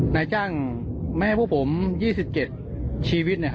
นายจ้างแม่พวกผม๒๗ชีวิต